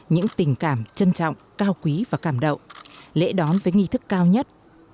những tình cảm trân trọng cao quý và cảm động lễ đón với nghi thức cao nhất